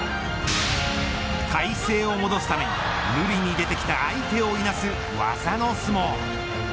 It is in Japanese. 体勢を戻すために無理に出てきた相手をいなす技の相撲。